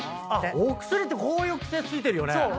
お薬ってこういう癖ついてるよね。